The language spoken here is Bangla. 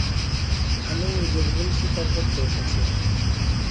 আমি নিজের ভুল স্বীকার করতে এসেছি।